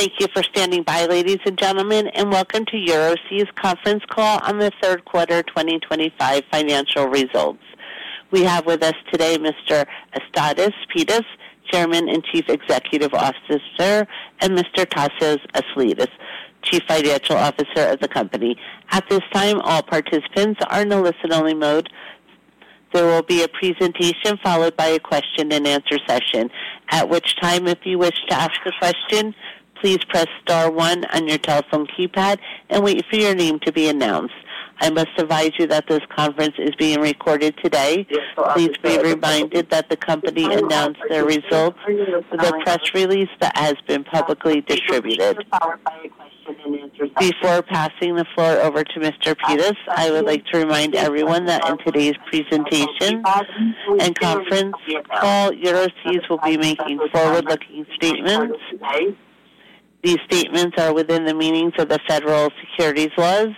Thank you for standing by, ladies and gentlemen, and welcome to Euroseas Conference Call on the third quarter 2025 financial results. We have with us today Mr. Aristides Pittas, Chairman and Chief Executive Officer, and Mr. Tasos Aslidis, Chief Financial Officer of the company. At this time, all participants are in a listen-only mode. There will be a presentation followed by a question-and-answer session, at which time, if you wish to ask a question, please press star one on your telephone keypad and wait for your name to be announced. I must advise you that this conference is being recorded today. Please be reminded that the company announced their results with a press release that has been publicly distributed. Before passing the floor over to Mr. Pittas, I would like to remind everyone that in today's presentation and conference call, Euroseas will be making forward-looking statements. These statements are within the meanings of the federal securities laws.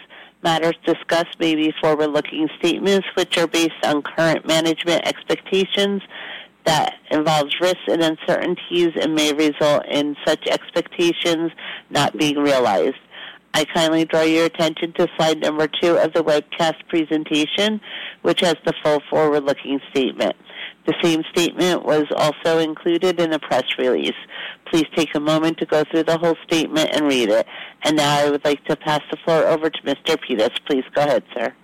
Matters discussed may be forward-looking statements, which are based on current management expectations that involve risks and uncertainties and may result in such expectations not being realized. I kindly draw your attention to slide number two of the webcast presentation, which has the full forward-looking statement. The same statement was also included in the press release. Please take a moment to go through the whole statement and read it. I would like to pass the floor over to Mr. Pittas. Please go ahead, sir.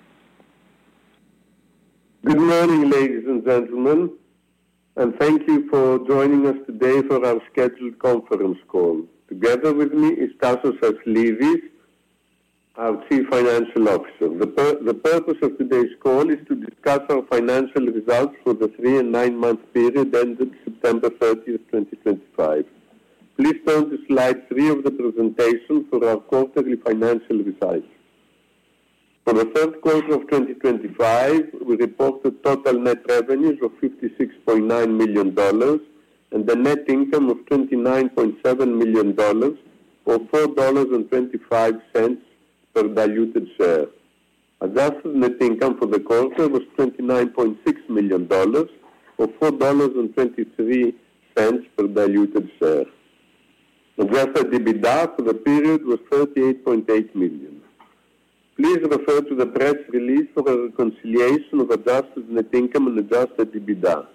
Good morning, ladies and gentlemen, and thank you for joining us today for our scheduled conference call. Together with me is Tasos Aslidis, our Chief Financial Officer. The purpose of today's call is to discuss our financial results for the three-and nine-month period ended September 30, 2025. Please turn to slide three of the presentation for our quarterly financial results. For the third quarter of 2025, we reported total net revenues of $56.9 million and a net income of $29.7 million, or $4.25 per diluted share. Adjusted net income for the quarter was $29.6 million, or $4.23 per diluted share. Adjusted EBITDA for the period was $38.8 million. Please refer to the press release for a reconciliation of adjusted net income and adjusted EBITDA.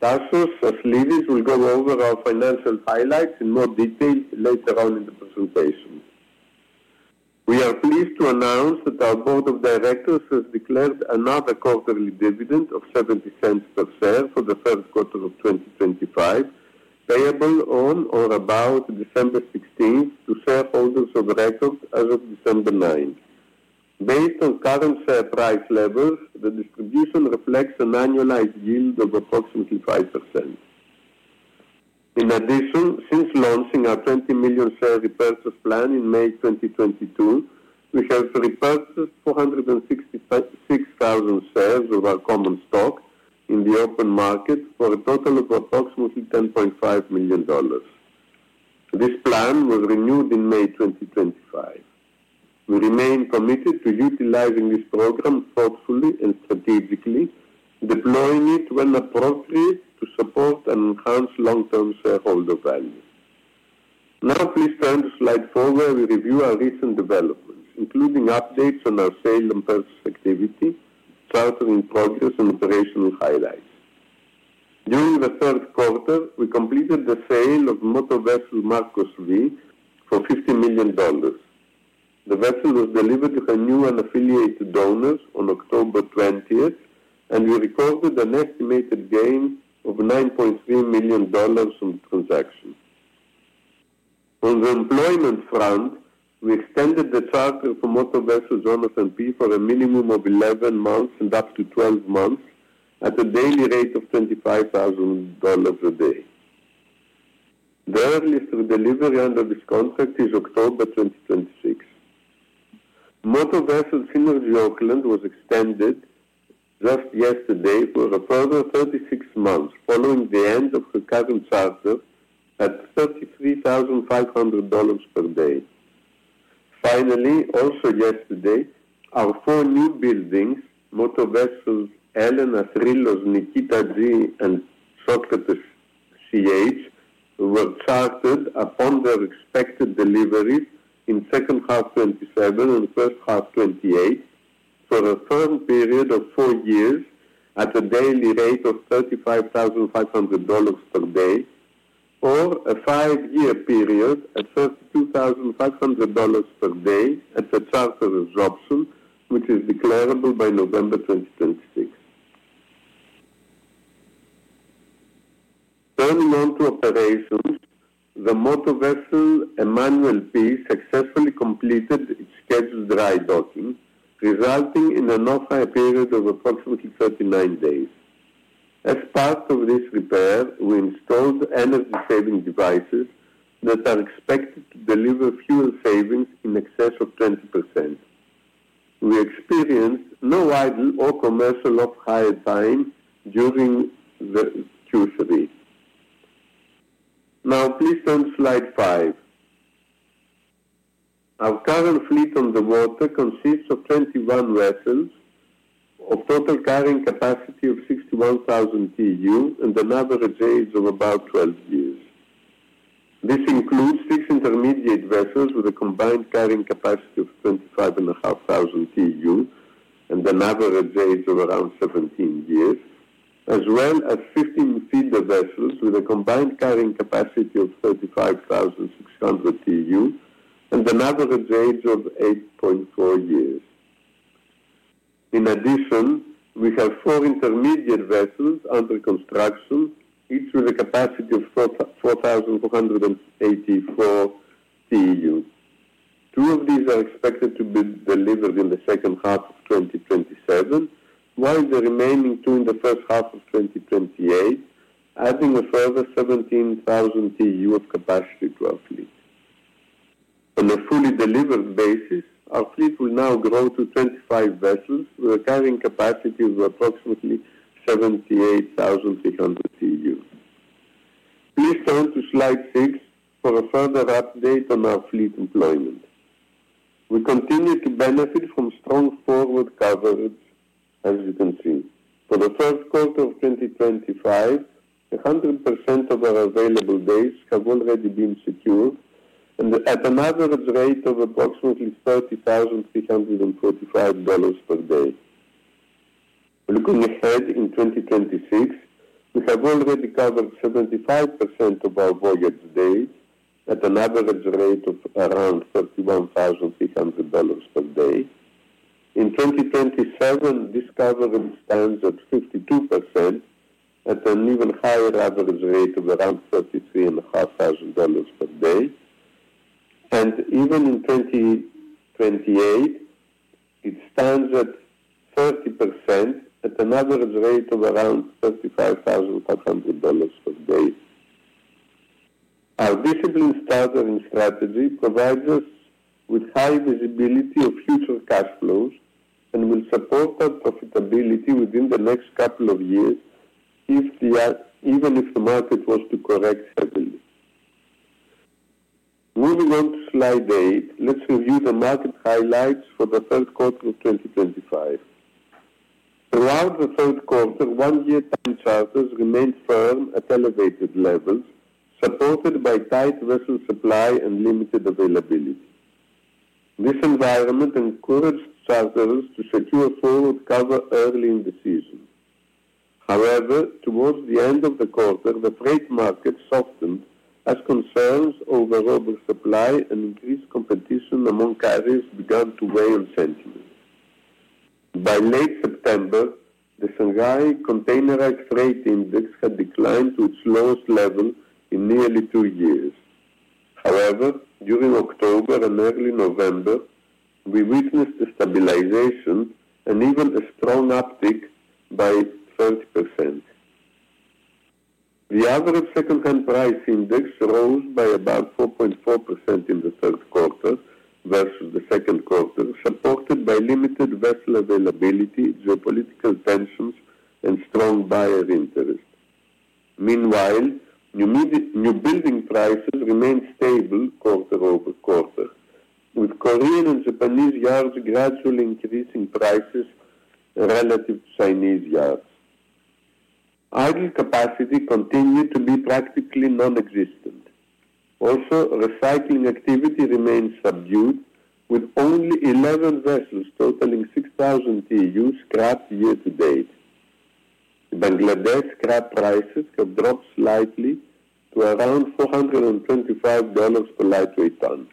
Tasos Aslidis will go over our financial highlights in more detail later on in the presentation. We are pleased to announce that our Board of Directors has declared another quarterly dividend of $0.70 per share for the third quarter of 2025, payable on or about December 16 to shareholders of record as of December 9. Based on current share price levels, the distribution reflects an annualized yield of approximately 5%. In addition, since launching our $20 million share repurchase plan in May 2022, we have repurchased 466,000 shares of our common stock in the open market for a total of approximately $10.5 million. This plan was renewed in May 2025. We remain committed to utilizing this program thoughtfully and strategically, deploying it when appropriate to support and enhance long-term shareholder value. Now, please turn to slide four where we review our recent developments, including updates on our sale and purchase activity, chartering progress, and operational highlights. During the third quarter, we completed the sale of motor vessel Marcos V for $50 million. The vessel was delivered to a new and affiliated owner on October 20th, and we recorded an estimated gain of $9.3 million from the transaction. On the employment front, we extended the charter for motor vessel on FMP for a minimum of 11 months and up to 12 months at a daily rate of $25,000 a day. The earliest delivery under this contract is October 2026. Motor vessel Synergy Oakland was extended just yesterday for a further 36 months following the end of the current charter at $33,500 per day. Finally, also yesterday, our four new buildings, Motor Vessels Elena, Thrylos, Nikitas G, and Socrates Ch, were chartered upon their expected deliveries in the second half of 2027 and the first half of 2028 for a firm period of four years at a daily rate of $35,500 per day, or a five-year period at $32,500 per day at the charter absorption, which is declarable by November 2026. Turning on to operations, the motor vessel Emmanuel P successfully completed its scheduled dry docking, resulting in an off-air period of approximately 39 days. As part of this repair, we installed energy-saving devices that are expected to deliver fuel savings in excess of 20%. We experienced no idle or commercial off-hire time during the Q3. Now, please turn to slide five. Our current fleet on the water consists of 21 vessels of total carrying capacity of 61,000 TEU and an average age of about 12 years. This includes six intermediate vessels with a combined carrying capacity of 25,500 TEU and an average age of around 17 years, as well as 15 feeder vessels with a combined carrying capacity of 35,600 TEU and an average age of 8.4 years. In addition, we have four intermediate vessels under construction, each with a capacity of 4,484 TEU. Two of these are expected to be delivered in the second half of 2027, while the remaining two in the first half of 2028, adding a further 17,000 TEU of capacity to our fleet. On a fully delivered basis, our fleet will now grow to 25 vessels with a carrying capacity of approximately 78,300 TEU. Please turn to slide six for a further update on our fleet employment. We continue to benefit from strong forward coverage, as you can see. For the third quarter of 2025, 100% of our available days have already been secured at an average rate of approximately $30,345 per day. Looking ahead in 2026, we have already covered 75% of our voyage days at an average rate of around, this coverage stands at 52% at an even higher average rate of around $33,500 per day. Even in 2028, it stands at at an average rate of around $35,500 per day. Our disciplined starter and strategy provides us with high visibility of future cash flows and will support our profitability within the next couple of years, even if the market was to correct heavily. Moving on to slide eight, let's review the market highlights for the third quarter of 2025. Throughout the third quarter, one-year time charters remained firm at elevated levels, supported by tight vessel supply and limited availability. This environment encouraged charters to secure forward cover early in the season. However, towards the end of the quarter, the freight market softened as concerns over over-supply and increased competition among carriers began to weigh on sentiment. By late September, the Shanghai Containerized Freight Index had declined to its lowest level in nearly two years. However, during October and early November, we witnessed a stabilization and even a strong uptick by 30%. The average second-hand price index rose by about, supported by limited vessel availability, geopolitical tensions, and strong buyer interest. Meanwhile, new building prices remained stable quarter-over-quarter, with Korean and Japanese yards gradually increasing prices relative to Chinese yards. Idle capacity continued to be practically nonexistent. Also, recycling activity remained subdued, with only 11 vessels totaling 6,000 TEU scrapped year to date. Bangladesh scrap prices have dropped slightly to around $425 per lightweight ton.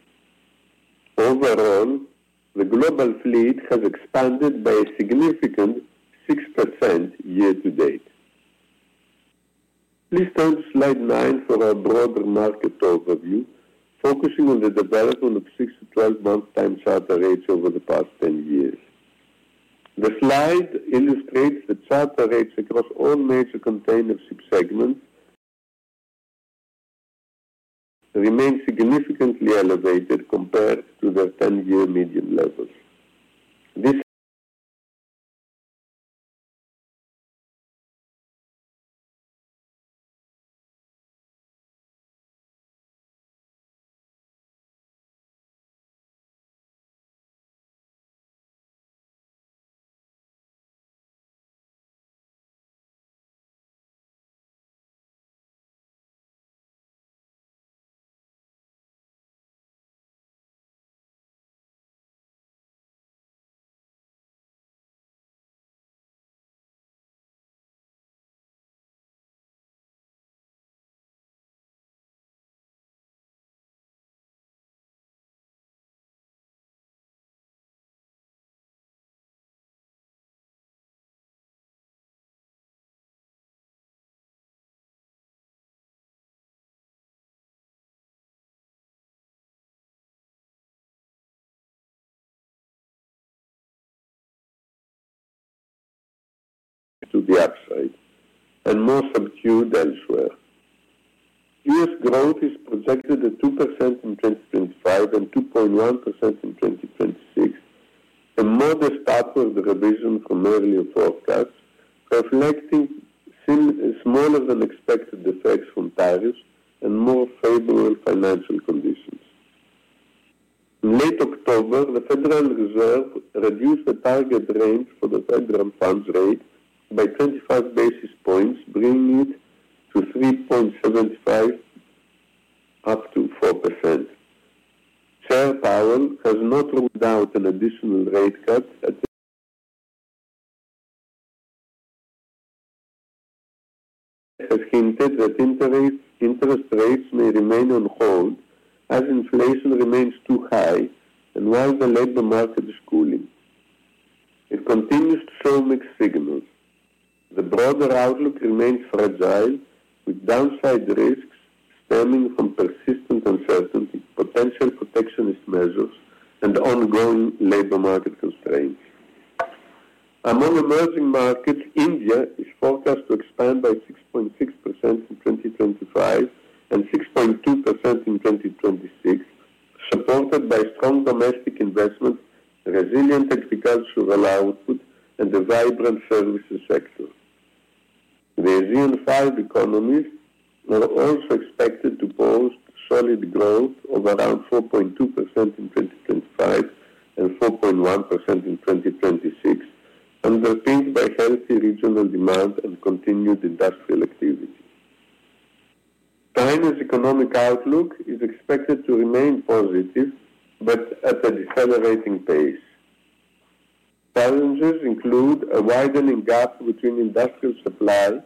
Overall, the global fleet has expanded by a significant 6% year to date. Please turn to slide nine for a broader market overview, focusing on the development of 6- to 12-month time charter rates over the past 10 years. The slide illustrates the charter rates across all major container ship segments remain significantly elevated compared to their to the upside and more subdued elsewhere. U.S. growth is projected at 2% in 2025 and 2.1% in 2026, a modest upward revision from earlier forecasts, reflecting smaller-than-expected effects from tariffs and more favorable financial conditions. In late October, the Federal Reserve reduced the target range for the federal funds rate by 25 basis points, bringing it to 3.75%-4%. Chair Powell has not ruled out an additional rate cut and has hinted that interest rates may remain on hold as inflation remains too high and while the labor market is cooling. It continues to show mixed signals. The broader outlook remains fragile, with downside risks stemming from persistent uncertainty, potential protectionist measures, and ongoing labor market constraints. Among emerging markets, India is forecast to expand by 6.6% in 2025 and 6.2% in 2026, supported by strong domestic investment, resilient agricultural output, and a vibrant services sector. The ASEAN five economies are also and 4.1% in 2026, underpinned by healthy regional demand and continued industrial activity. China's economic outlook is expected to remain positive but at a decelerating pace. Challenges include a widening gap between industrial supply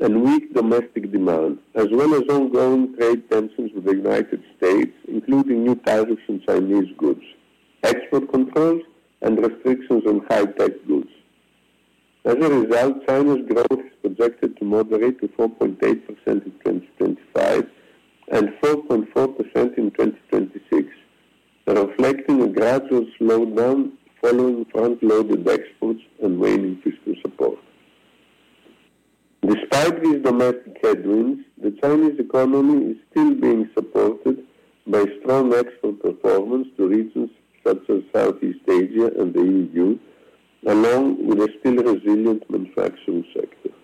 and weak domestic demand, as well as ongoing trade tensions with the United States, including new tariffs on Chinese goods, export controls, and restrictions on high-tech goods. As a result, China's growth is projected to moderate to 4.8% in 2025 and 4.4% in 2026, reflecting a gradual slowdown following front-loaded exports and waning fiscal support. Despite these domestic headwinds, the Chinese economy is still being supported by strong export performance to regions such as Southeast Asia and the EU, along with a still resilient manufacturing sector.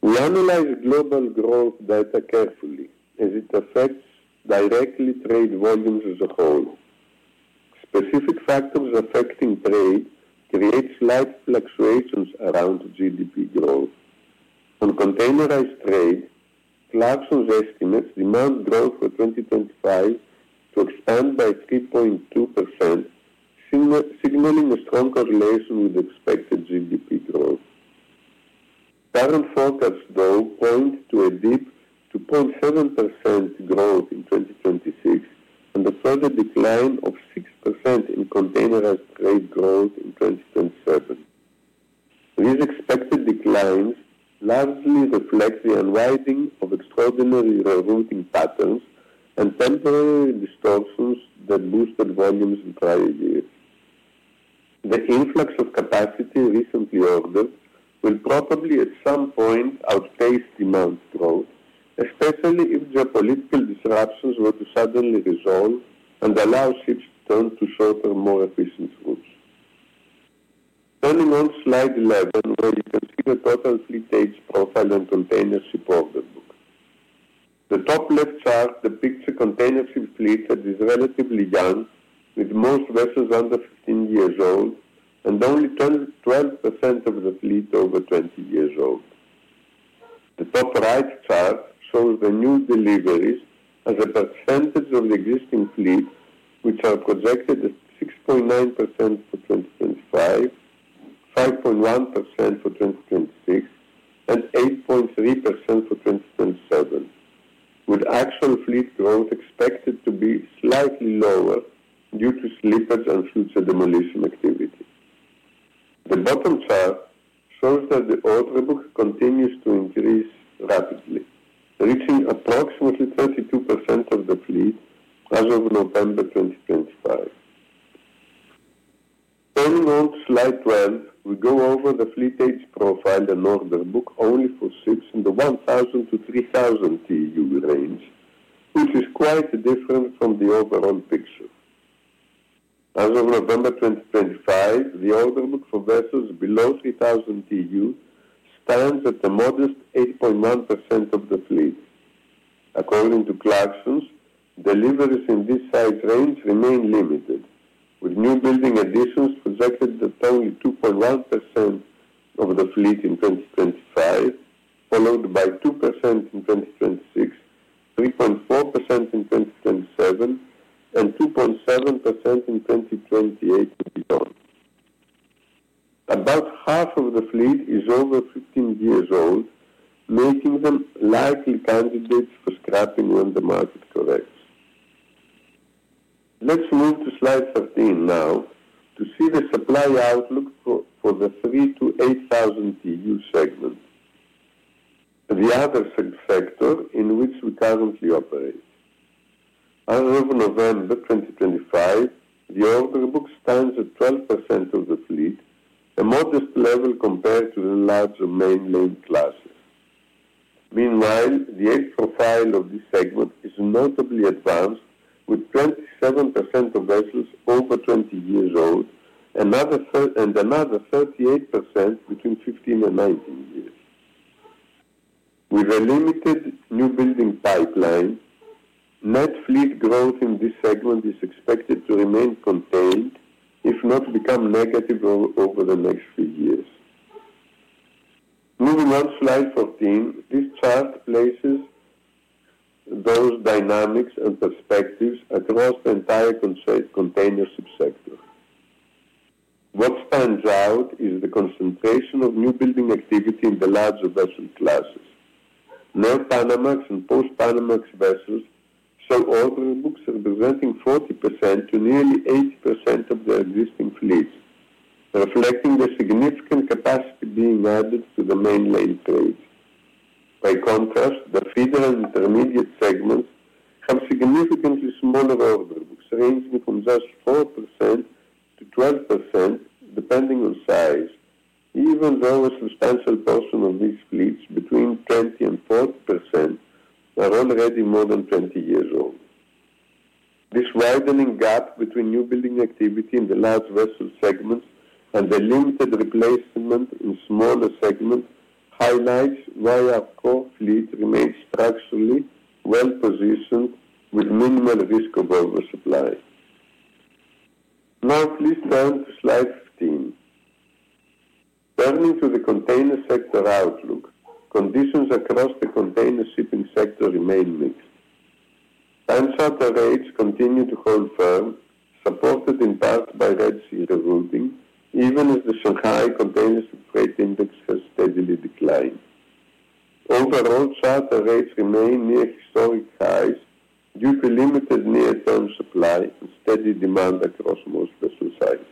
We analyze global growth data carefully as it affects directly trade volumes as a whole. Specific factors affecting trade create slight fluctuations around GDP growth. On containerized trade, Clarkson's estimates demand growth for 2025 to expand by 3.2%, signaling a strong correlation with expected GDP growth. Current forecasts, though, point to a dip to 0.7% growth in 2026 and a further decline of. These expected declines largely reflect the unwinding of extraordinary routing patterns and temporary distortions that boosted volumes in prior years. The influx of capacity recently ordered will probably at some point outpace demand growth, especially if geopolitical disruptions were to suddenly resolve and allow ships to turn to shorter, more efficient routes. Turning on to slide 11, where you can see the total fleet age profile and container ship order book. The top left chart depicts a container ship fleet that is relatively young, with most vessels under 15 years old and only 12% of the fleet over 20 years old. The top right chart shows the new deliveries as a percentage of the existing fleet, which are projected at 6.9% for 2025, 5.1% for 2026, and 8.3% for 2027, with actual fleet growth expected to be slightly lower due to slippage and future demolition activity. The bottom chart shows that the order book continues to increase rapidly, reaching approximately 32% of the fleet as of November 2025. Turning on to slide 12, we go over the fleet age profile and order book only for ships in the 1,000-3,000 TEU range, which is quite different from the overall picture. As of November 2025, the order book for vessels below 3,000 TEU stands at a modest 8.1% of the fleet. According to Clarkson's, deliveries in this size range remain limited, with new building additions projected at only 2.1% of the fleet in 2025, followed by 2% in 2026, 3.4% in 2027, and 2.7% in 2028 and beyond. years old, making them likely candidates for scrapping when the market corrects. Let's move to slide 13 now to see the supply outlook for the 3,000-8,000 TEU segment, the other sector in which we currently operate. As of November 2025, the order book stands at 12% of the fleet, a modest level compared to the larger mainline classes. Meanwhile, the age profile of this segment is notably advanced, with 27% of vessels over 20 years old and another 38% between 15 and 19 years. With a limited new building pipeline, net fleet growth in this segment is expected to remain contained, if not become negative over the next few years. Moving on to slide 14, this chart places those dynamics and perspectives across the entire container ship sector. What stands out is the concentration of new building activity in the larger vessel classes. Now, Panamax and post-Panamax vessels show order books representing 40% to nearly 80% of their existing fleets, reflecting the significant capacity being added to the mainland trade. By contrast, the feeder and intermediate segments have significantly smaller order books, ranging from just 4%-12%, depending on size, even though a substantial portion of these fleets, between 20% and 40%, are already more than 20 years old. This widening gap between new building activity in the large vessel segments and the limited replacement in smaller segments highlights why our core fleet remains structurally well-positioned with minimal risk of oversupply. Now, please turn to slide 15. Turning to the container sector outlook, conditions across the container shipping sector remain mixed. Time charter rates continue to hold firm, supported in part by Red Sea routing, even as the Shanghai Containerized Freight Index has steadily declined. Overall, charter rates remain near historic highs due to limited near-term supply and steady demand across most vessel sizes.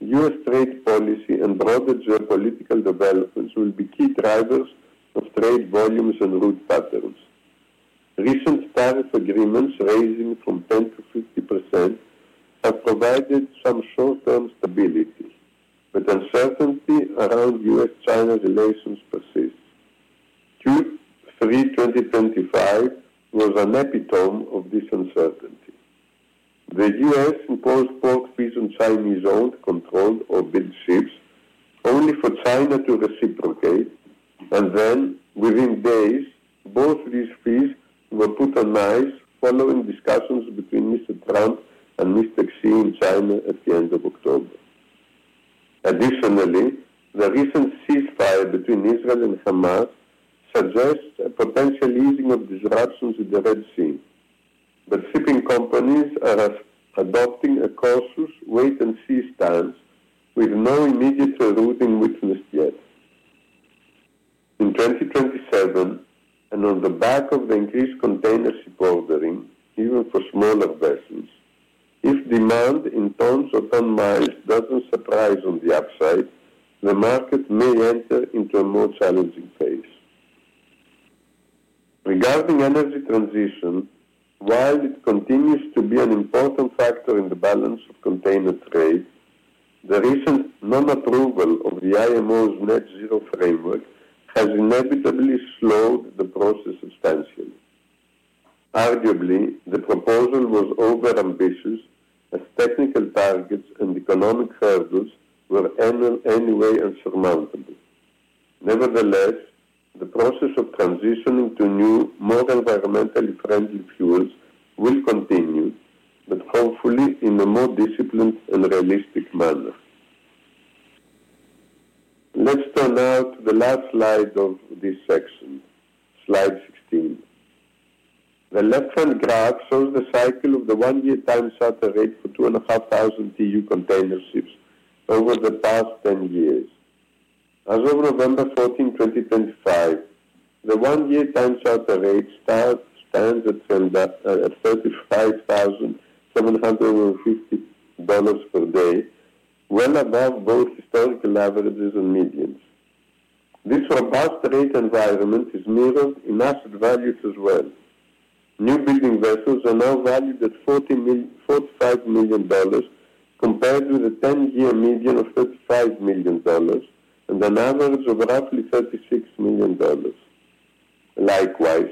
trade policy and broader geopolitical developments will be key drivers of trade volumes and route patterns. Recent tariff agreements, ranging from 10%-50%, have provided some short-term stability, but uncertainty around U.S.-China relations persists. Q3 2025 was an epitome of this uncertainty. The U.S. imposed port fees on Chinese-owned, controlled, or built ships, only for China to reciprocate, and then, within days, both these fees were put on ice following discussions between Mr. Trump and Mr. Xi in China at the end of October. Additionally, the recent ceasefire between Israel and Hamas suggests a potential easing of disruptions in the Red Sea, but shipping companies are adopting a cautious wait-and-see stance, with no immediate routing witnessed yet. In 2027, and on the back of the increased container ship ordering, even for smaller vessels, if demand in tons or ton miles does not surprise on the upside, the market may enter into a more challenging phase. Regarding energy transition, while it continues to be an important factor in the balance of container trade, the recent non-approval of the IMO's net zero framework has inevitably slowed the process substantially. Arguably, the proposal was overambitious, as technical targets and economic hurdles were anyway insurmountable. Nevertheless, the process of transitioning to new, more environmentally friendly fuels will continue, but hopefully in a more disciplined and realistic manner. Let's turn now to the last slide of this section, slide 16. The left-hand graph shows the cycle of the one-year time charter rate for 2,500 TEU container ships over the past 10 years. As of November 14, 2025, the one-year time charter rate stands at $35,750 per day, well above both historical averages and medians. This robust rate environment is mirrored in asset values as well. New building vessels are now valued at $45 million compared with a 10-year median of $35 million and an average of roughly $36 million. Likewise,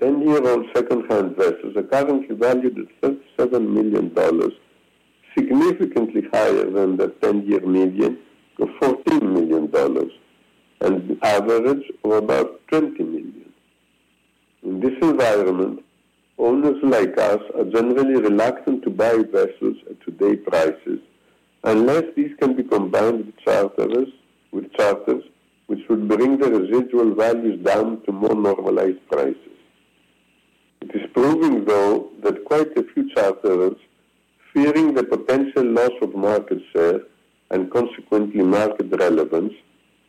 10-year-old second-hand vessels are currently valued at $37 million, significantly higher. In this environment, owners like us are generally reluctant to buy vessels at today's prices unless these can be combined with charters, which would bring the residual values down to more normalized prices. It is proving, though, that quite a few charterers, fearing the potential loss of market share and consequently market relevance,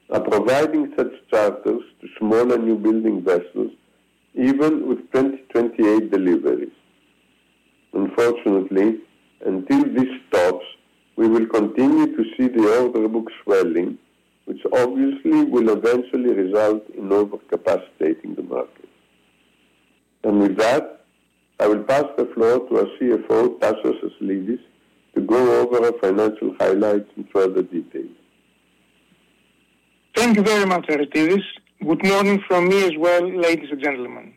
are providing such charters to smaller new building vessels, even with 2028 deliveries. Unfortunately, until this stops, we will continue to see the order book swelling, which obviously will eventually result in overcapacitating the market. With that, I will pass the floor to our CFO, Tasos Aslidis, to go over our financial highlights in further detail. Thank you very much, Aristides. Good morning from me as well, ladies and gentlemen.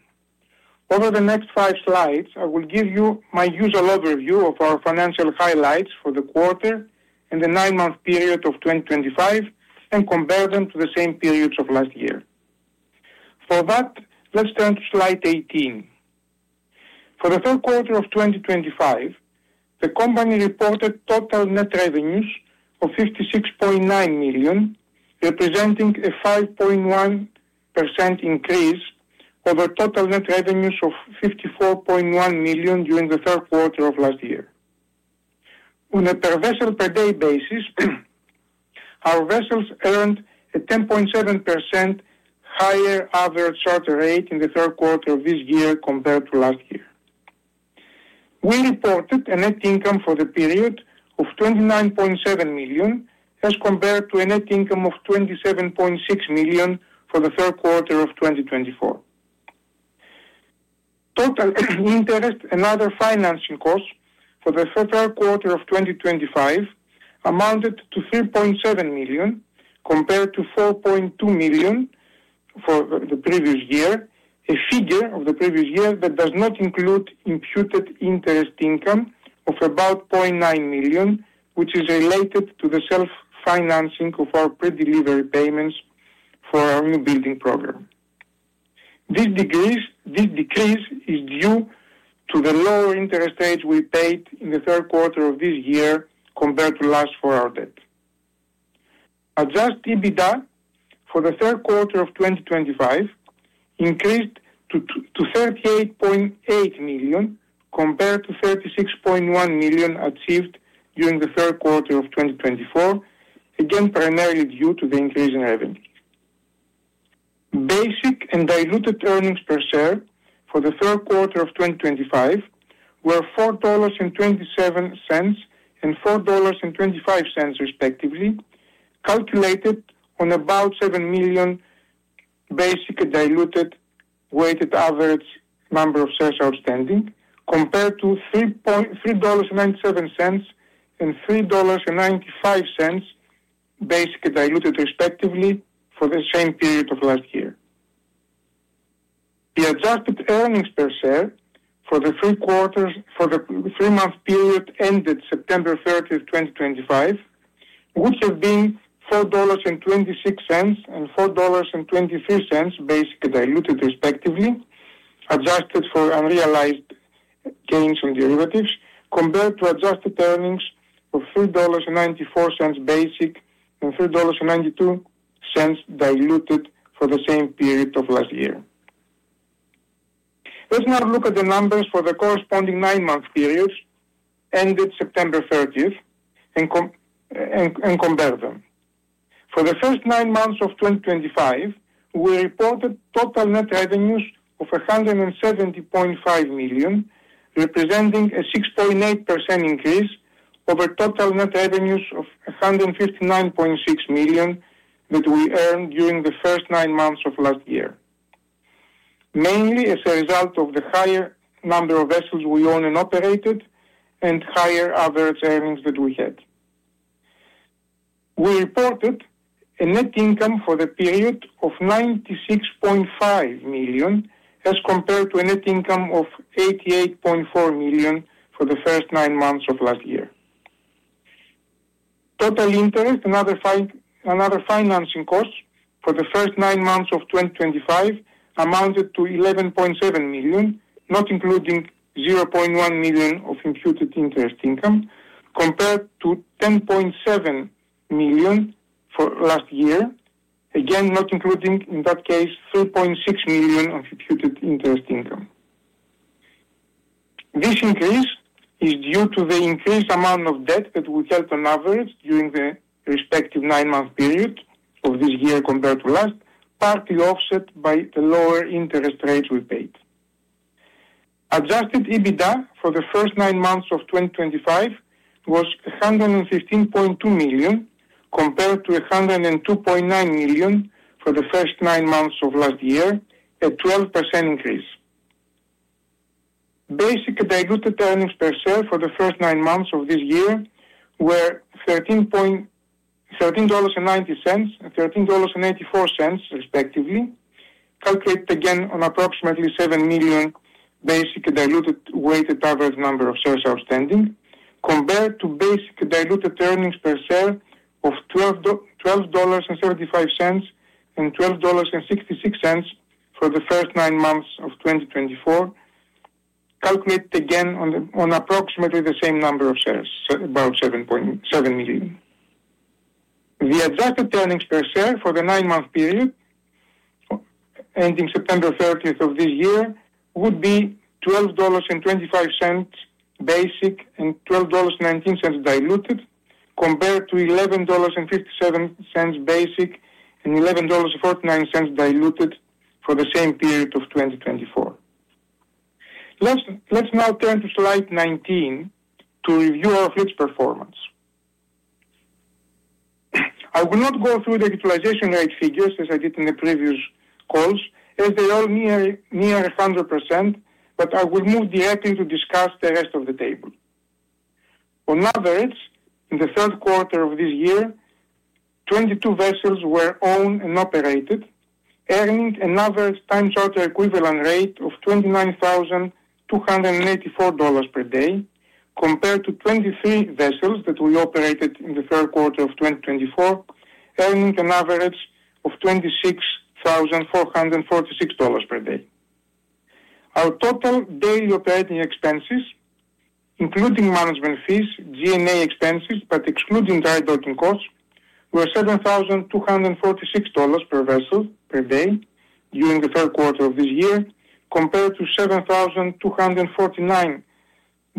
Over the next five slides, I will give you my usual overview of our financial highlights for the quarter and the nine-month period of 2025 and compare them to the same periods of last year. For that, let's turn to slide 18. For the third quarter of 2025, the company reported total net revenues of $56.9 million, representing a 5.1% increase over total net revenues of $54.1 million during the third quarter of last year. On a per-vessel-per-day basis, our vessels earned a 10.7% higher average charter rate in the third quarter of this year compared to last year. We reported a net income for the period of $29.7 million as compared to a net income of $27.6 million for the third quarter of 2024. Total interest and other financing costs for the third quarter of 2025 amounted to $3.7 million compared to $4.2 million for the previous year, a figure of the previous year that does not include imputed interest income of about $0.9 million, which is related to the self-financing of our pre-delivery payments for our new building program. This decrease is due to the lower interest rate we paid in the third quarter of this year compared to last for our debt. Adjusted EBITDA for the third quarter of 2025 increased to $38.8 million compared to $36.1 million achieved during the third quarter of 2024, again primarily due to the increase in revenue. Basic and diluted earnings per share for the third quarter of 2025 were $4.27 and $4.25 respectively, calculated on about 7 million basic and diluted weighted average number of shares outstanding, compared to $3.97 and $3.95 basic and diluted respectively for the same period of last year. The adjusted earnings per share for the three quarters ended September 30, 2025, would have been $4.26 and $4.23 basic and diluted respectively, adjusted for unrealized gains on derivatives, compared to adjusted earnings of $3.94 basic and $3.92 diluted for the same period of last year. Let's now look at the numbers for the corresponding nine-month periods ended September 30th and compare them. For the first nine months of 2025, we reported total net revenues of $170.5 million, representing a 6.8% increase over total net revenues of $159.6 million that we earned during the first nine months of last year, mainly as a result of the higher number of vessels we own and operated and higher average earnings that we had. We reported a net income for the period of $96.5 million as compared to a net income of $88.4 million for the first nine months of last year. Total interest and other financing costs for the first nine months of 2025 amounted to $11.7 million, not including $0.1 million of imputed interest income, compared to $10.7 million for last year, again not including, in that case, $3.6 million of imputed interest income. This increase is due to the increased amount of debt that we held on average during the respective nine-month period of this year compared to last, partly offset by the lower interest rates we paid. Adjusted EBITDA for the first nine months of 2025 was $115.2 million compared to $102.9 million for the first nine months of last year, a 12% increase. Basic and diluted earnings per share for the first nine months of this year were $13.90 and $13.84 respectively, calculated again on approximately 7 million basic and diluted weighted average number of shares outstanding, compared to basic and diluted earnings per share of $12.45 and $12.66 for the first nine months of 2024, calculated again on approximately the same number of shares, about 7 million. The adjusted earnings per share for the nine-month period ending September 30 of this year would be $12.25 basic and $12.19 diluted, compared to $11.57 basic and $11.49 diluted for the same period of 2024. Let's now turn to slide 19 to review our fleet's performance. I will not go through the utilization rate figures as I did in the previous calls, as they are all near 100%, but I will move the app to discuss the rest of the table. On average, in the third quarter of this year, 22 vessels were owned and operated, earning an average time charter equivalent rate of $29,284 per day, compared to 23 vessels that we operated in the third quarter of 2024, earning an average of $26,446 per day. Our total daily operating expenses, including management fees, G&A expenses, but excluding dry docking costs, were $7,246 per vessel per day during the third quarter of this year, compared to $7,249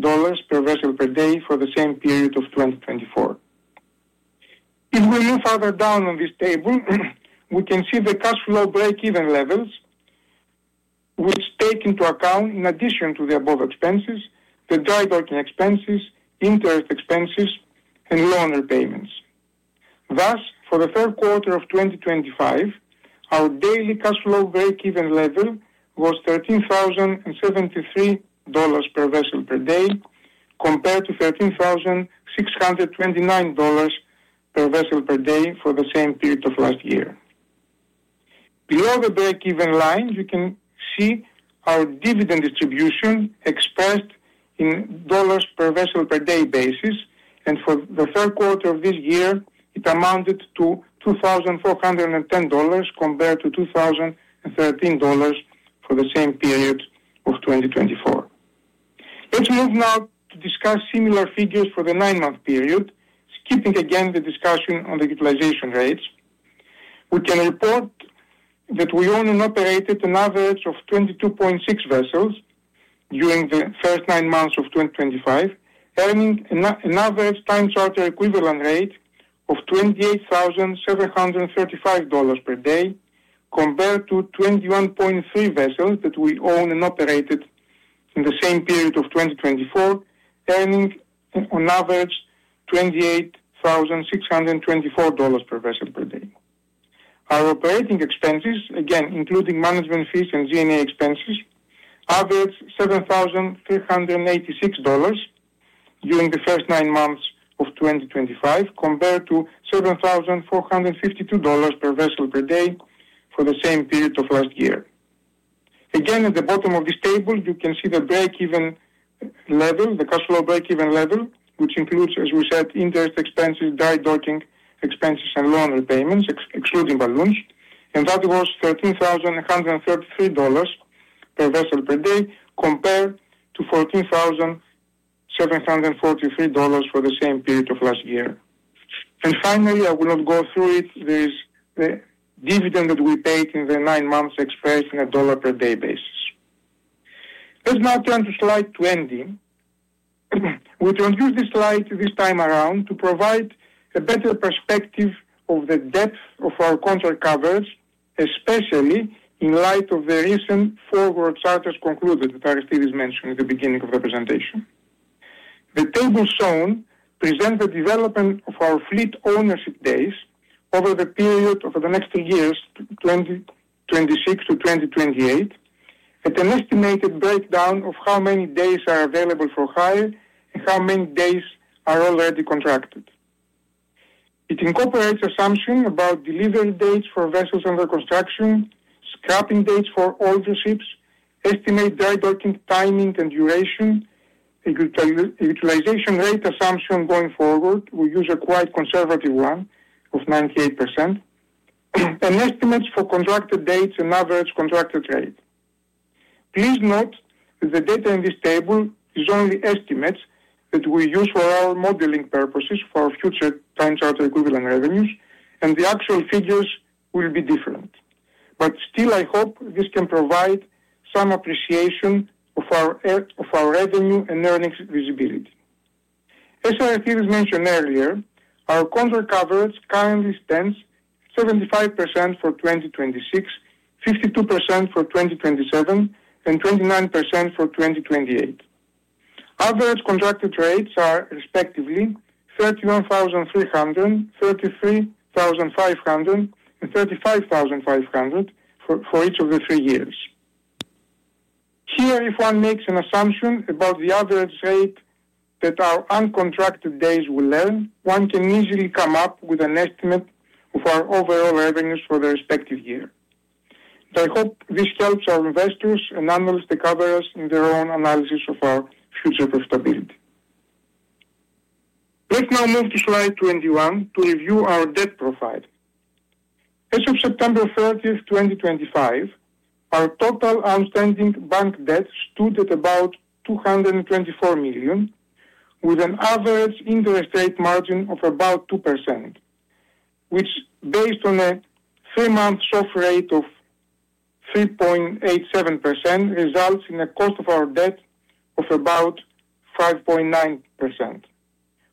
per vessel per day for the same period of 2024. If we move further down on this table, we can see the cash flow break-even levels, which take into account, in addition to the above expenses, the dry docking expenses, interest expenses, and loan repayments. Thus, for the third quarter of 2025, our daily cash flow break-even level was $13,073 per vessel per day, compared to $13,629 per vessel per day for the same period of last year. Below the break-even line, you can see our dividend distribution expressed in dollars per vessel per day basis, and for the third quarter of this year, it amounted to $2,410 compared to $2,013 for the same period of 2024. Let's move now to discuss similar figures for the nine-month period, skipping again the discussion on the utilization rates. We can report that we owned and operated an average of 22.6 vessels during the first nine months of 2025, earning an average time charter equivalent rate of $28,735 per day, compared to 21.3 vessels that we owned and operated in the same period of 2024, earning on average $28,624 per vessel per day. Our operating expenses, again including management fees and G&A expenses, averaged $7,386 during the first nine months of 2025, compared to $7,452 per vessel per day for the same period of last year. Again, at the bottom of this table, you can see the break-even level, the cash flow break-even level, which includes, as we said, interest expenses, dry docking expenses, and loan repayments, excluding balloons, and that was $13,133 per vessel per day, compared to $14,743 for the same period of last year. Finally, I will not go through it. There is the dividend that we paid in the nine months expressed on a dollar-per-day basis. Let's now turn to slide 20. We'll use this slide this time around to provide a better perspective of the depth of our contract coverage, especially in light of the recent four charters concluded that Aristides mentioned at the beginning of the presentation. The table shown presents the development of our fleet ownership days over the period of the next three years, 2026 to 2028, at an estimated breakdown of how many days are available for hire and how many days are already contracted. It incorporates assumptions about delivery dates for vessels under construction, scrapping dates for older ships, estimated dry docking timing and duration, a utilization rate assumption going forward. We use a quite conservative one of 98%, and estimates for contracted dates and average contracted rate. Please note that the data in this table is only estimates that we use for our modeling purposes for future time charter equivalent revenues, and the actual figures will be different. Still, I hope this can provide some appreciation of our revenue and earnings visibility. As Aristides mentioned earlier, our contract coverage currently stands 75% for 2026, 52% for 2027, and 29% for 2028. Average contracted rates are, respectively, $31,300, $33,500, and $35,500 for each of the three years. Here, if one makes an assumption about the average rate that our uncontracted days will earn, one can easily come up with an estimate of our overall revenues for the respective year. I hope this helps our investors and analysts to cover us in their own analysis of our future profitability. Let's now move to slide 21 to review our debt profile. As of September 30, 2025, our total outstanding bank debt stood at about $224 million, with an average interest rate margin of about 2%, which, based on a three-month soft rate of 3.87%, results in a cost of our debt of about 5.9%,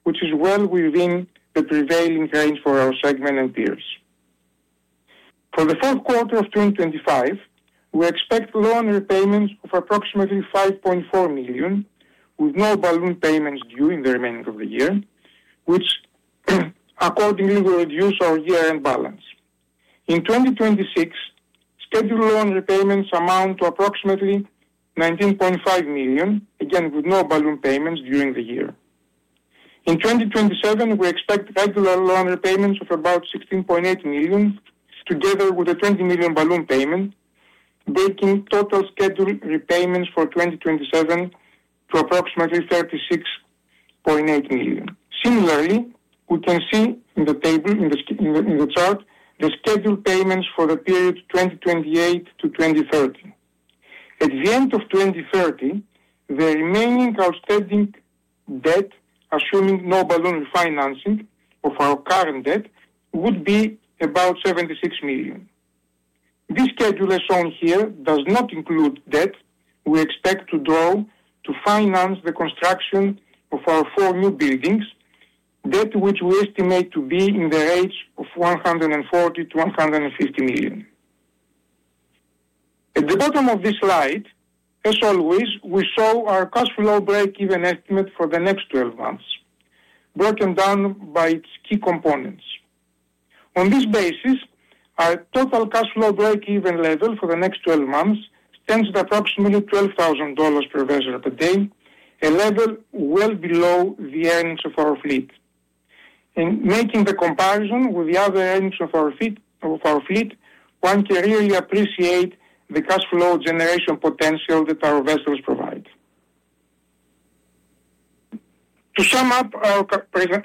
which is well within the prevailing range for our segment and peers. For the fourth quarter of 2025, we expect loan repayments of approximately $5.4 million, with no balloon payments due in the remainder of the year, which, accordingly, will reduce our year-end balance. In 2026, scheduled loan repayments amount to approximately $19.5 million, again with no balloon payments during the year. In 2027, we expect regular loan repayments of about $16.8 million, together with a $20 million balloon payment, making total scheduled repayments for 2027 to approximately $36.8 million. Similarly, we can see in the table, in the chart, the scheduled payments for the period 2028 to 2030. At the end of 2030, the remaining outstanding debt, assuming no balloon financing of our current debt, would be about $76 million. This schedule shown here does not include debt we expect to draw to finance the construction of our four new buildings, debt which we estimate to be in the range of $140 million-$150 million. At the bottom of this slide, as always, we show our cash flow break-even estimate for the next 12 months, broken down by its key components. On this basis, our total cash flow break-even level for the next 12 months stands at approximately $12,000 per vessel per day, a level well below the earnings of our fleet. Making the comparison with the other earnings of our fleet, one can really appreciate the cash flow generation potential that our vessels provide. To sum up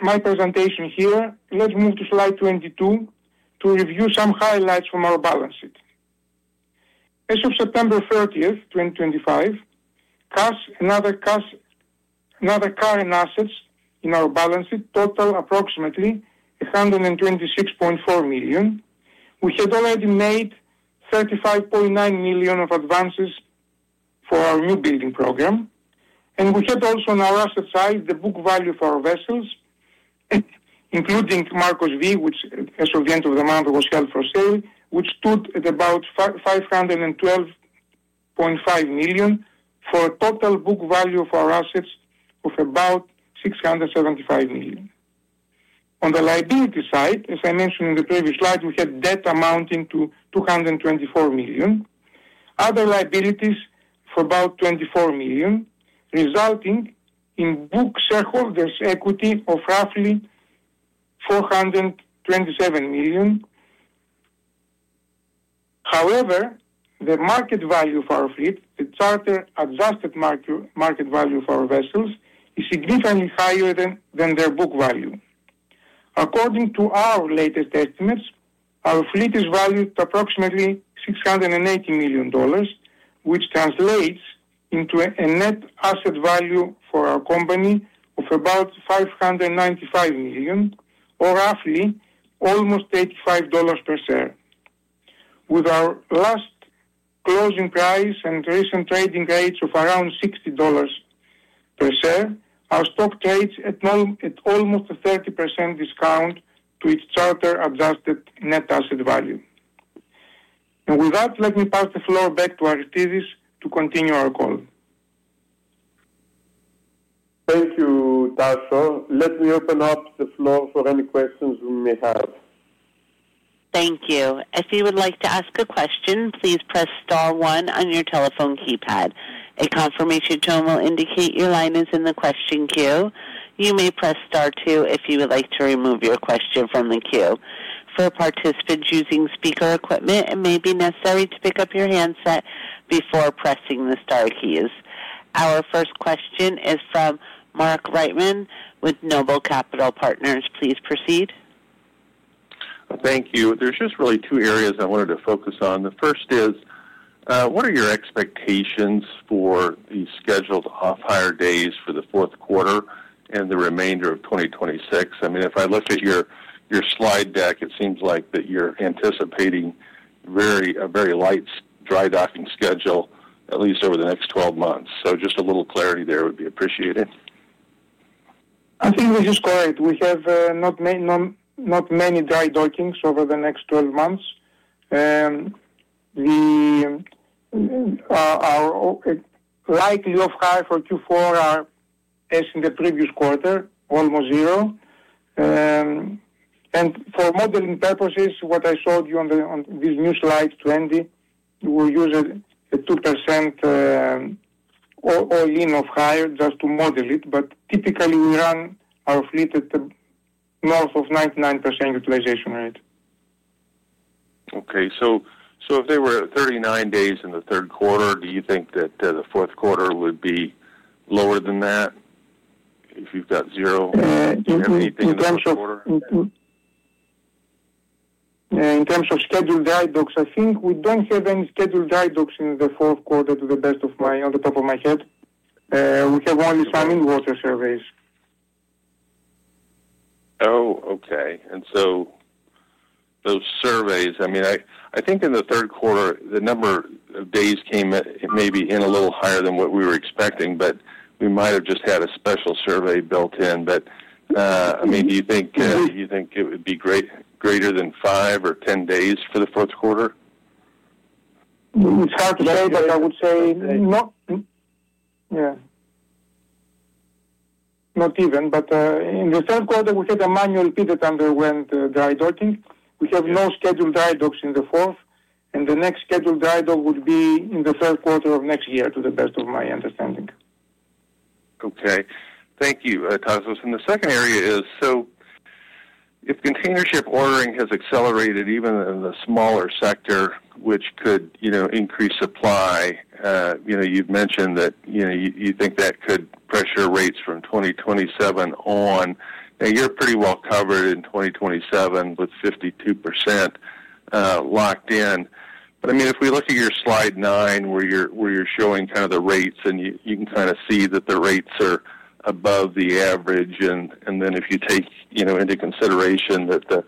my presentation here, let's move to slide 22 to review some highlights from our balance sheet. As of September 30th, 2025, another car and assets in our balance sheet total approximately $126.4 million. We had already made $35.9 million of advances for our new building program, and we had also on our asset side the book value for our vessels, including Marcos V, which, as of the end of the month, was held for sale, which stood at about $512.5 million for a total book value of our assets of about $675 million. On the liability side, as I mentioned in the previous slide, we had debt amounting to $224 million, other liabilities for about $24 million, resulting in book shareholders' equity of roughly $427 million. However, the market value of our fleet, the charter adjusted market value of our vessels, is significantly higher than their book value. According to our latest estimates, our fleet is valued at approximately $680 million, which translates into a net asset value for our company of about $595 million, or roughly almost $85 per share. With our last closing price and recent trading rates of around $60 per share, our stock trades at almost a 30% discount to its charter adjusted net asset value. With that, let me pass the floor back to Aristides to continue our call. Thank you, Tasos. Let me open up the floor for any questions we may have. Thank you. If you would like to ask a question, please press star one on your telephone keypad. A confirmation tone will indicate your line is in the question queue. You may press star two if you would like to remove your question from the queue. For participants using speaker equipment, it may be necessary to pick up your handset before pressing the star keys. Our first question is from Mark Wrightman with Noble Capital Markets. Please proceed. Thank you. There's just really two areas I wanted to focus on. The first is, what are your expectations for the scheduled off-hire days for the fourth quarter and the remainder of 2026? I mean, if I looked at your slide deck, it seems like that you're anticipating a very light dry docking schedule, at least over the next 12 months. So just a little clarity there would be appreciated. I think we're just correct. We have not many dry dockings over the next 12 months. The likely off-hire for Q4 are as in the previous quarter, almost zero. For modeling purposes, what I showed you on this new slide 20, we will use a 2% all-in off-hire just to model it, but typically, we run our fleet at north of 99% utilization rate. Okay. If there were 39 days in the third quarter, do you think that the fourth quarter would be lower than that if you have zero? Do you have anything in the fourth quarter? In terms of scheduled dry docking, I think we do not have any scheduled dry docking in the fourth quarter, to the best of my knowledge. We have only some in-water surveys. Oh, okay. Those surveys, I mean, I think in the third quarter, the number of days came maybe in a little higher than what we were expecting, but we might have just had a special survey built in. I mean, do you think it would be greater than 5 or 10 days for the fourth quarter? It's hard to say, but I would say not, yeah. Not even. In the third quarter, we had a manual fleet that underwent dry docking. We have no scheduled dry docking in the fourth, and the next scheduled dry dock would be in the third quarter of next year, to the best of my understanding. Okay. Thank you, Tasos. The second area is, if container ship ordering has accelerated even in the smaller sector, which could increase supply, you've mentioned that you think that could pressure rates from 2027 on. Now, you're pretty well covered in 2027 with 52% locked in. But I mean, if we look at your slide nine, where you're showing kind of the rates, and you can kind of see that the rates are above the average, and then if you take into consideration that the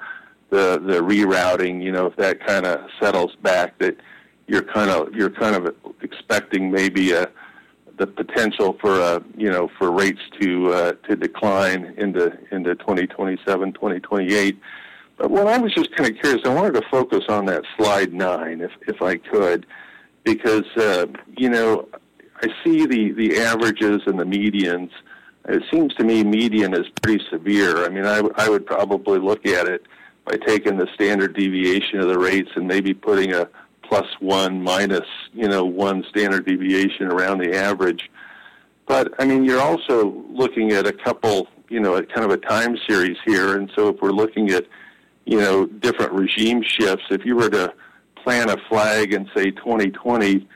rerouting, if that kind of settles back, that you're kind of expecting maybe the potential for rates to decline into 2027, 2028. What I was just kind of curious, I wanted to focus on that slide nine if I could, because I see the averages and the medians. It seems to me median is pretty severe. I mean, I would probably look at it by taking the standard deviation of the rates and maybe putting a plus one, minus one standard deviation around the average. I mean, you're also looking at a couple of kind of a time series here. If we're looking at different regime shifts, if you were to plant a flag in, say, 2020,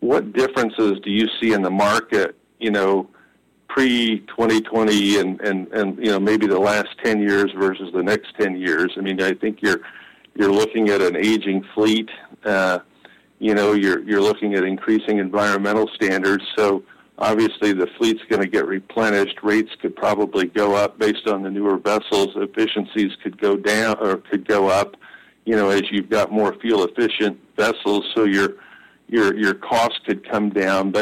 what differences do you see in the market pre-2020 and maybe the last 10 years versus the next 10 years? I mean, I think you're looking at an aging fleet. You're looking at increasing environmental standards. Obviously, the fleet's going to get replenished. Rates could probably go up based on the newer vessels. Efficiencies could go down or could go up as you've got more fuel-efficient vessels, so your cost could come down.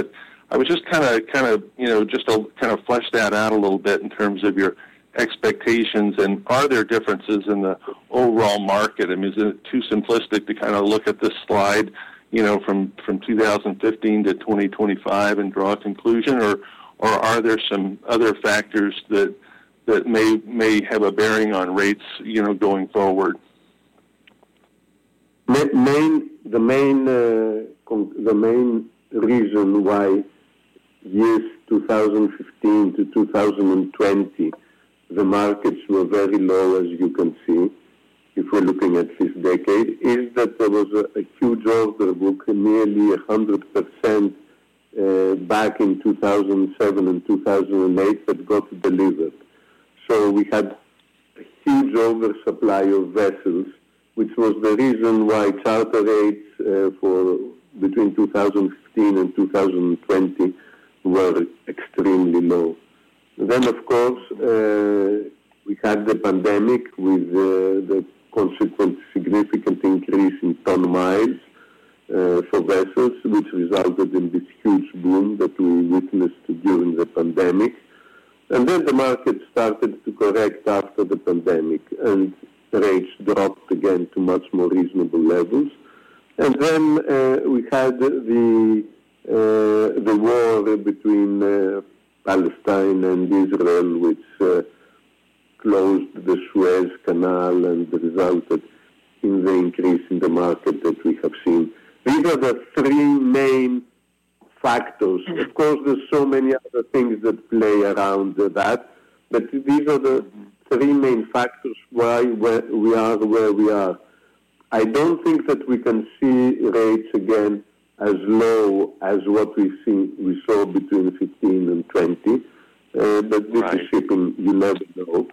I was just kind of trying to flesh that out a little bit in terms of your expectations. Are there differences in the overall market? I mean, is it too simplistic to kind of look at this slide from 2015 to 2025 and draw a conclusion, or are there some other factors that may have a bearing on rates going forward? The main reason why years 2015 to 2020, the markets were very low, as you can see, if we're looking at this decade, is that there was a huge order book, nearly 100% back in 2007 and 2008, that got delivered. So we had a huge oversupply of vessels, which was the reason why charter rates between 2015 and 2020 were extremely low. Then, of course, we had the pandemic with the consequent significant increase in ton miles for vessels, which resulted in this huge boom that we witnessed during the pandemic. The market started to correct after the pandemic, and rates dropped again to much more reasonable levels. We had the war between Palestine and Israel, which closed the Suez Canal and resulted in the increase in the market that we have seen. These are the three main factors. Of course, there are so many other things that play around that, but these are the three main factors why we are where we are. I do not think that we can see rates again as low as what we saw between 2015 and 2020, but this is shipping. You never know.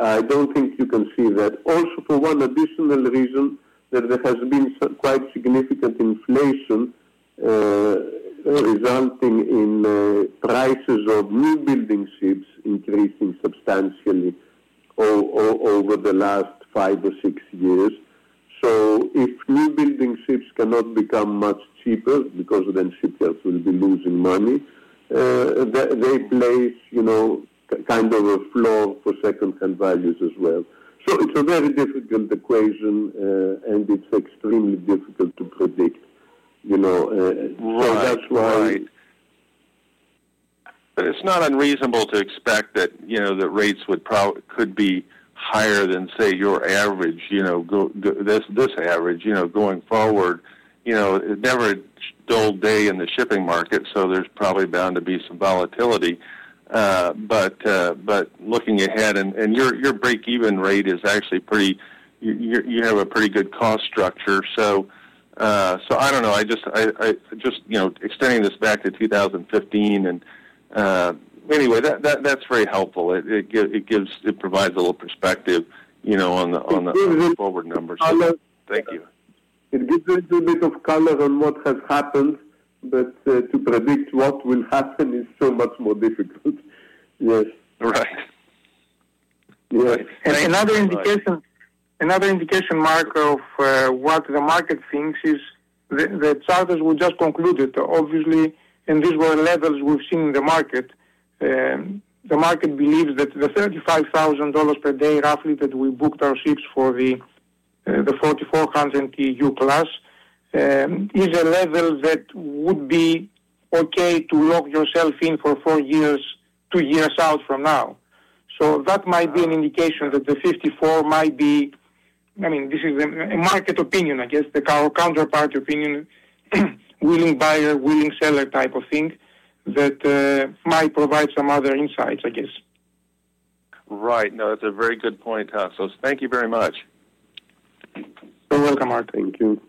I do not think you can see that. Also, for one additional reason, there has been quite significant inflation resulting in prices of new building ships increasing substantially over the last five or six years. If new building ships cannot become much cheaper because then shipyards will be losing money, they place kind of a floor for second-hand values as well. It's a very difficult equation, and it's extremely difficult to predict. That's why. Right. It's not unreasonable to expect that rates could be higher than, say, your average, this average, going forward. It is never a dull day in the shipping market, so there's probably bound to be some volatility. Looking ahead, your break-even rate is actually pretty—you have a pretty good cost structure. I don't know. Just extending this back to 2015, and anyway, that's very helpful. It provides a little perspective on the forward numbers. Thank you. It gives a little bit of color on what has happened, but to predict what will happen is so much more difficult. Yes. Right. Yes. Another indication, Marco, of what the market thinks is the charters we just concluded, obviously, and these were levels we've seen in the market. The market believes that the $35,000 per day, roughly, that we booked our ships for the 4,400 TEU class is a level that would be okay to lock yourself in for four years, two years out from now. So that might be an indication that the 5,400 might be, I mean, this is a market opinion, I guess, the counterparty opinion, willing buyer, willing seller type of thing that might provide some other insights, I guess. Right. No, that's a very good point, Tasos. Thank you very much. You're welcome, Marco. Thank you.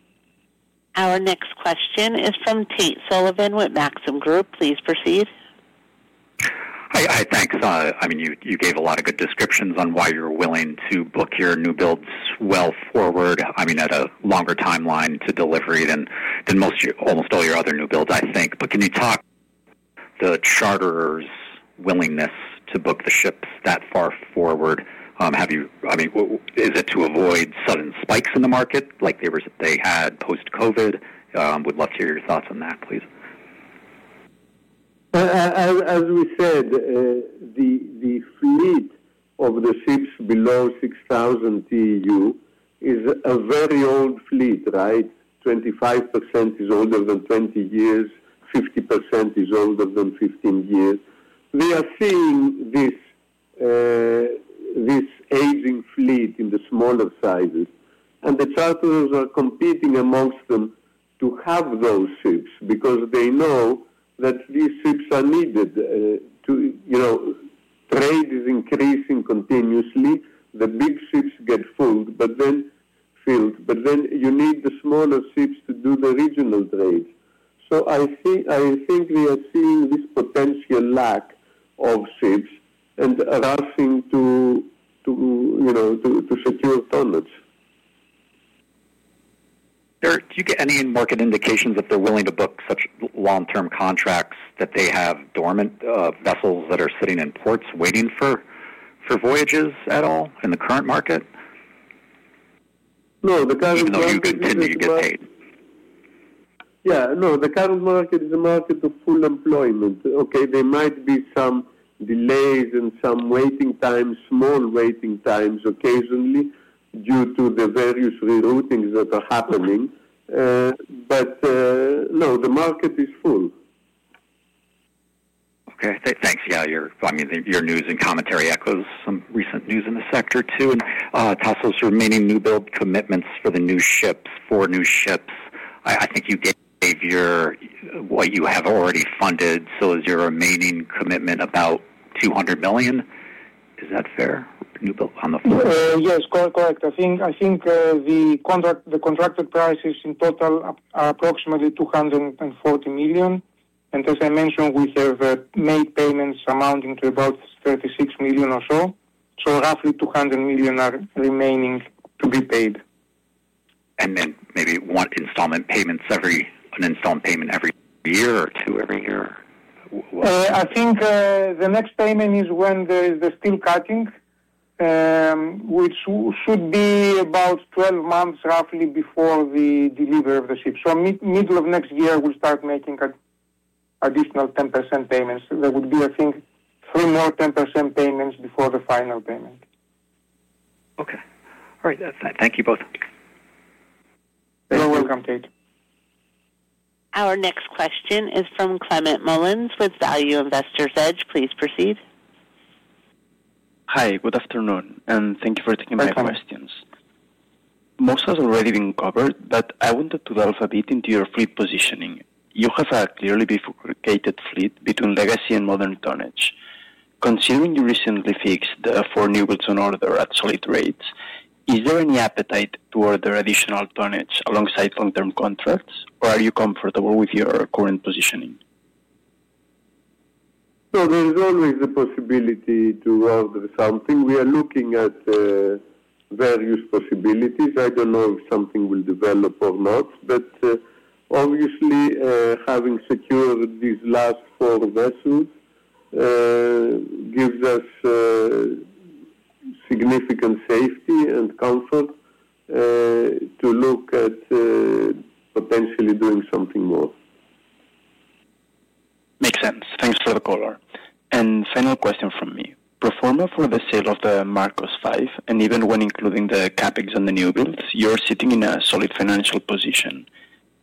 Our next question is from Tate Sullivan with Maxim Group. Please proceed. Hi. Hi. Thanks. I mean, you gave a lot of good descriptions on why you're willing to book your new builds well forward, I mean, at a longer timeline to delivery than almost all your other new builds, I think. Can you talk about the charter's willingness to book the ships that far forward? I mean, is it to avoid sudden spikes in the market like they had post-COVID? Would love to hear your thoughts on that, please. As we said, the fleet of the ships below 6,000 TEU is a very old fleet, right? 25% is older than 20 years, 50% is older than 15 years. We are seeing this aging fleet in the smaller sizes, and the charters are competing amongst them to have those ships because they know that these ships are needed. Trade is increasing continuously. The big ships get full, but then you need the smaller ships to do the regional trade. I think we are seeing this potential lack of ships and rushing to secure tonnage. Do you get any market indications that they're willing to book such long-term contracts, that they have dormant vessels that are sitting in ports waiting for voyages at all in the current market? No. The current market. Even though you continue to get paid? Yeah. No, the current market is a market of full employment. There might be some delays and some waiting times, small waiting times occasionally due to the various reroutings that are happening. No, the market is full. Okay. Thanks. Yeah. I mean, your news and commentary echoes some recent news in the sector too. And Tasos, remaining new build commitments for the new ships, four new ships. I think you gave your what you have already funded. Is your remaining commitment about $200 million? Is that fair? New build on the floor. Yes. Correct. Correct. I think the contracted prices in total are approximately $240 million. As I mentioned, we have made payments amounting to about $36 million or so. Roughly $200 million are remaining to be paid. Maybe one installment payment, an installment payment every year or two, every year. I think the next payment is when there is the steel cutting, which should be about 12 months roughly before the delivery of the ship. Middle of next year, we will start making additional 10% payments. There would be, I think, three more 10% payments before the final payment. Okay. All right. Thank you both. You're welcome, Tate. Our next question is from Clement Mullins with Value Investors Edge. Please proceed. Hi. Good afternoon, and thank you for taking my questions. Moussa has already been covered, but I wanted to delve a bit into your fleet positioning. You have a clearly bifurcated fleet between legacy and modern tonnage. Considering you recently fixed the four new builds on order at solid rates, is there any appetite to order additional tonnage alongside long-term contracts, or are you comfortable with your current positioning? There is always the possibility to order something. We are looking at various possibilities. I do not know if something will develop or not. Obviously, having secured these last four vessels gives us significant safety and comfort to look at potentially doing something more. Makes sense. Thanks for the color. Final question from me. Pro forma for the sale of the Marcos V, and even when including the CapEx on the new builds, you are sitting in a solid financial position.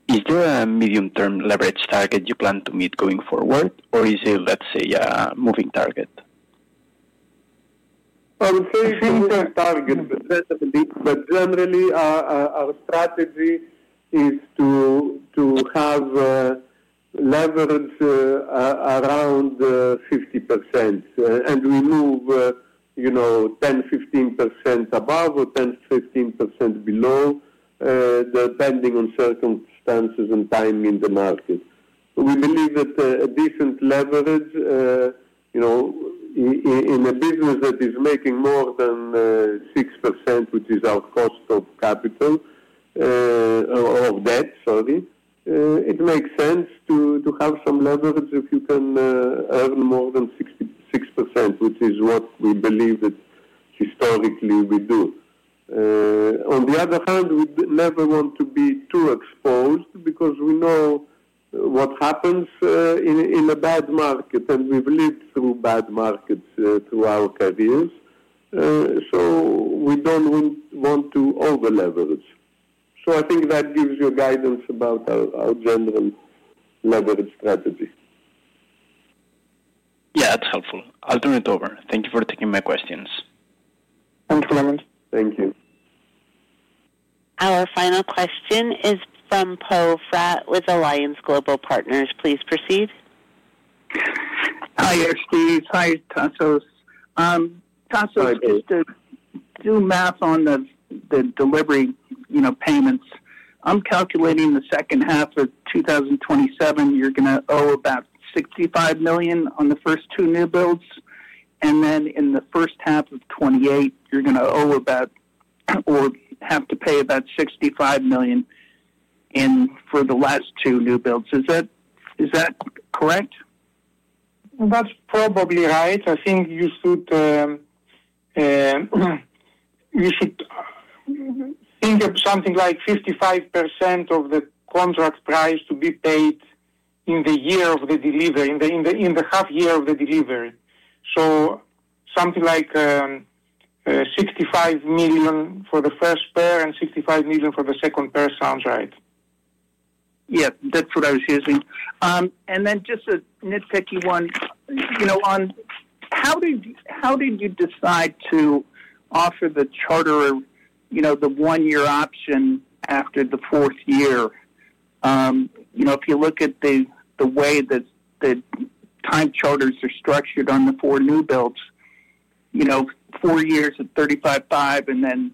Is there a medium-term leverage target you plan to meet going forward, or is it, let's say, a moving target? I would say it's a moving target, but generally, our strategy is to have leverage around 50%. And we move 10%-15% above or 10%-15% below, depending on circumstances and time in the market. We believe that a decent leverage in a business that is making more than 6%, which is our cost of capital or debt, sorry, it makes sense to have some leverage if you can earn more than 6%, which is what we believe that historically we do. On the other hand, we never want to be too exposed because we know what happens in a bad market, and we've lived through bad markets throughout our careers. So we don't want to over-leverage. So I think that gives you guidance about our general leverage strategy. Yeah. That's helpful. I'll turn it over. Thank you for taking my questions. Thanks, Clement. Thank you. Our final question is from Poe Fratt with Alliance Global Partners. Please proceed. Hi, Aristides. Hi, Tasos. Tasos, just to do math on the delivery payments, I'm calculating the second half of 2027, you're going to owe about $65 million on the first two new builds. And then in the first half of 2028, you're going to owe about or have to pay about $65 million for the last two new builds. Is that correct? That's probably right. I think you should think of something like 55% of the contract price to be paid in the year of the delivery, in the half year of the delivery. So something like $65 million for the first pair and $65 million for the second pair sounds right. Yeah. That's what I was using. Just a nitpicky one on how did you decide to offer the charter the one-year option after the fourth year? If you look at the way that the time charters are structured on the four new builds, four years at $35,500 and then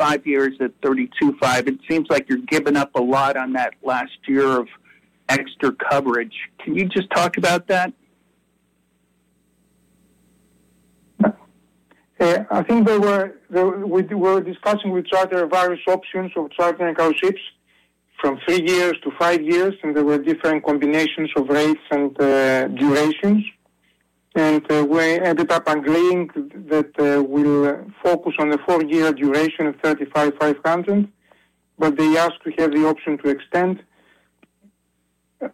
five years at $32,500, it seems like you're giving up a lot on that last year of extra coverage. Can you just talk about that? I think we were discussing with charter various options of chartering our ships from three years to five years, and there were different combinations of rates and durations. We ended up agreeing that we'll focus on the four-year duration of $35,500, but they asked to have the option to extend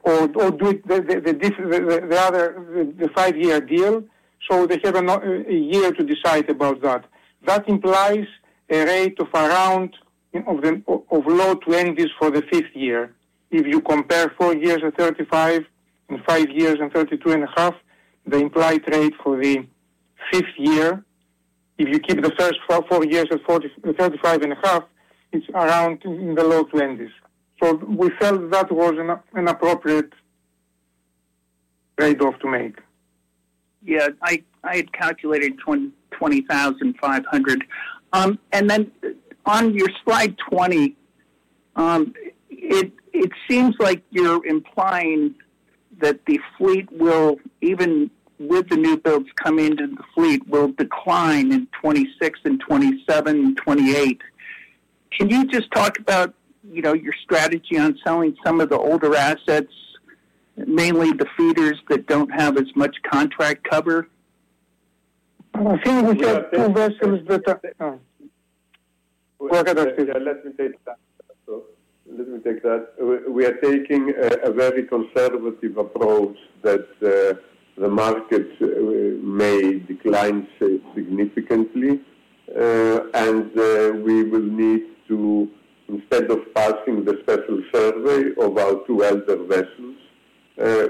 or do the five-year deal. They have a year to decide about that. That implies a rate of around the low to end is for the fifth year. If you compare four years at 35 and five years at 32.5, the implied rate for the fifth year, if you keep the first four years at 35.5, it's around in the low to end is. So we felt that was an appropriate trade-off to make. Yeah. I had calculated $20,500. And then on your slide 20, it seems like you're implying that the fleet will, even with the new builds coming into the fleet, will decline in 2026 and 2027 and 2028. Can you just talk about your strategy on selling some of the older assets, mainly the feeders that don't have as much contract cover? I think we have two vessels that. Sorry. Let me take that. Let me take that. We are taking a very conservative approach that the market may decline significantly, and we will need to, instead of passing the special survey of our two elder vessels,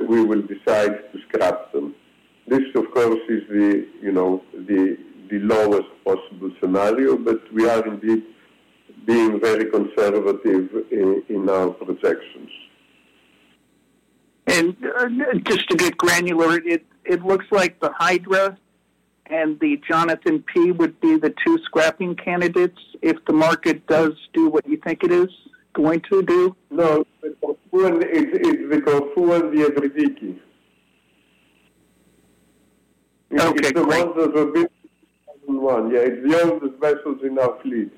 we will decide to scrap them. This, of course, is the lowest possible scenario, but we are indeed being very conservative in our projections. Just to get granular, it looks like the Hydra and the Jonathan P would be the two scrapping candidates if the market does do what you think it is going to do. No. It's the Kapuas and the Everdiki. It's the ones that are a bit more than one. Yeah. It's the oldest vessels in our fleet.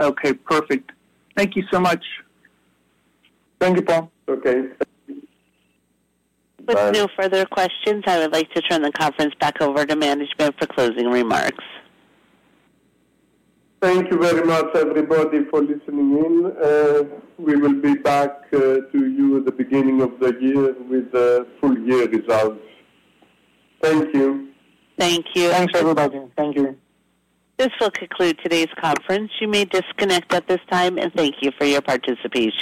Okay. Perfect. Thank you so much. Thank you, Poe. Okay. Bye. With no further questions, I would like to turn the conference back over to management for closing remarks. Thank you very much, everybody, for listening in. We will be back to you at the beginning of the year with the full year results. Thank you. Thanks, everybody. This will conclude today's conference. You may disconnect at this time, and thank you for your participation.